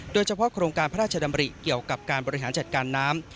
โดยเฉพาะโครงการพระราชดำริเกี่ยวกับการบริหารจัดการน้ำ